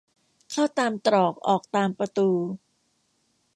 เข้าตามตรอกออกตามประตู